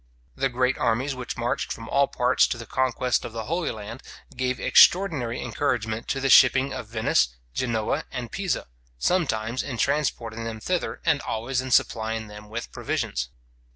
The great armies which marched from all parts to the conquest of the Holy Land, gave extraordinary encouragement to the shipping of Venice, Genoa, and Pisa, sometimes in transporting them thither, and always in supplying them with provisions.